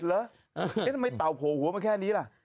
แล้วทำไมเต่าโผล่หัวมาแค่นี้ล่ะ